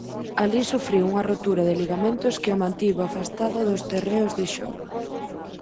Alí sufriu unha rotura de ligamentos que o mantivo afastado dos terreos de xogo.